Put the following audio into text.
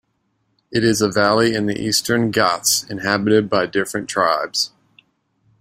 It is a valley in the Eastern Ghats inhabited by different tribes.